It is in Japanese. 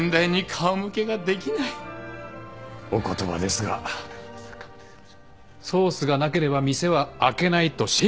お言葉ですがソースがなければ店は開けないとシェフが。